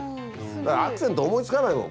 アクセント思いつかないもん